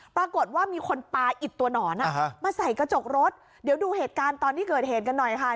ปรากฏว่ามีคนปลาอิดตัวหนอนมาใส่กระจกรถเดี๋ยวดูเหตุการณ์ตอนที่เกิดเหตุกันหน่อยค่ะ